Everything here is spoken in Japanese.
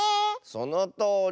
そのとおり。